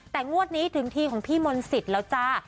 แต่งวดนี้ถึงทีของพี่มนต์สิทธิ์แล้วจ้า